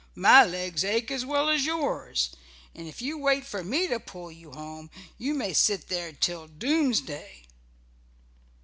My legs ache as well as yours, and if you wait for me to pull you home you may sit there till doomsday."